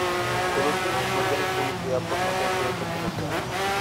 Por último, no tienen publicidad por no ser proyectos comerciales.